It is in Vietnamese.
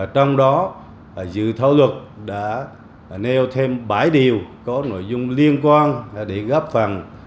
trong đó dự thảo luật đã nêu thêm bảy điều có nội dung liên quan để góp phần